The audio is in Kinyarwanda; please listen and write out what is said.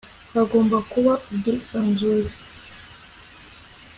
hagomba kuba ubwisanzure